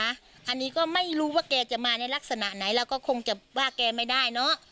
อันนี้ก็ไม่รู้ว่าแกจะมาในลักษณะไหนเราก็คงจะว่าแกไม่ได้เนอะ